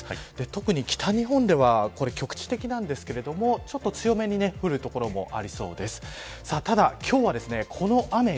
特に北日本では局地的ですがちょっと強めに降る所もありそうです。